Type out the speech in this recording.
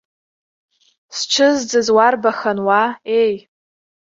Зҽызӡаз уарбахын уа, еи!